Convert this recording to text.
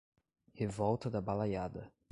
Revolta da Balaiada